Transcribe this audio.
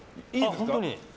本当に？